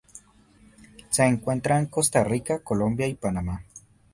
Se encuentra en Costa Rica, Colombia y Panamá.